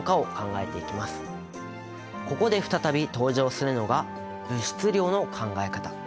ここで再び登場するのが物質量の考え方。